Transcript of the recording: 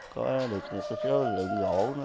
có được một số lượng gỗ